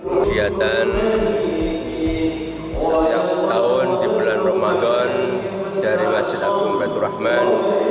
kegiatan setiap tahun di bulan ramadan dari masjid akhbar ibn fethur rahman